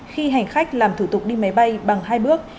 khi hành khách làm thủ tục đi máy bay bằng hai bước